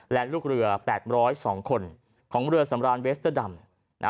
และลูกเรือ๘๐๒คนของเรือสำรานเวสเตอร์ดำนะ